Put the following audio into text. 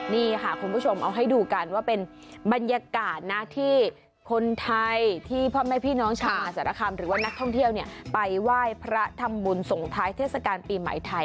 นี่ค่ะคุณผู้ชมเอาให้ดูกันว่าเป็นบรรยากาศนะที่คนไทยที่พ่อแม่พี่น้องชาวมหาสารคามหรือว่านักท่องเที่ยวไปไหว้พระทำบุญส่งท้ายเทศกาลปีใหม่ไทย